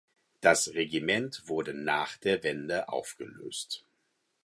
Das Regiment wurde nach der Wende aufgelöst.